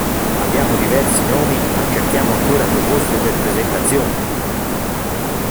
Abbiamo diversi nomi ma cerchiamo ancora proposte per presentazioni!